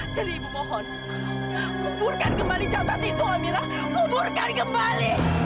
jadi ibu mohon kuburkan kembali jatah itu amira kuburkan kembali